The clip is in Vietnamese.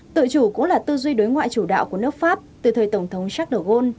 tự chủ cũng là tư duy đối ngoại chủ đạo của nước pháp từ thời tổng thống jacques de gaulle